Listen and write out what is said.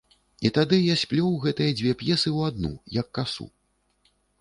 І тады я сплёў гэтыя дзве п'есы ў адну, як касу.